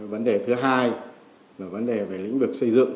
vấn đề thứ hai là vấn đề về lĩnh vực xây dựng